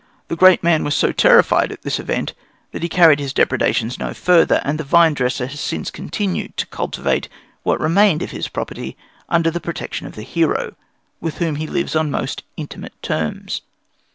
The great man was so terrified at this event that he carried his depredations no further; and the vine dresser has since continued to cultivate what remained of his property under the protection of the hero, with whom he lives on most intimate terms.